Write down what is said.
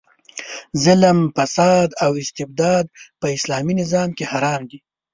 ظلم، فساد او استبداد په اسلامي نظام کې حرام دي.